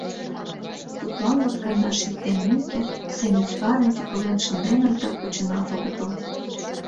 Тудлан латкандаш ий теммеке, семӱзгарым тӱкылен шынденыт да почынат огытыл.